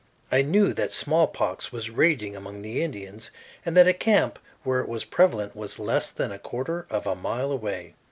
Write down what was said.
I knew that smallpox was raging among the Indians, and that a camp where it was prevalent was less than a quarter of a mile away.